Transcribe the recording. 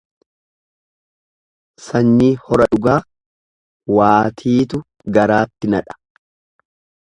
Sanyii hora dhugaa, waatiitu garaatti nadha.